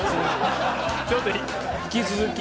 ちょっと引き続き。